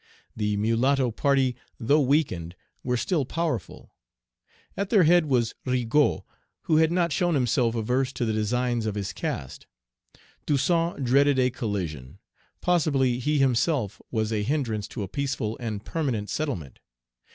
The mulatto party, though weakened, were still powerful. At their head was Rigaud, who had not shown himself averse to the designs of his caste. Toussaint dreaded a collision. Possibly he himself was a hindrance to a peaceful and permanent settlement.